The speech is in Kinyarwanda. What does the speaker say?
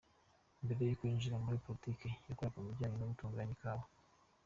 Mbere y’uko yinjira muri Politiki, yakoraga mu bijyanye no gutunganya ikawa.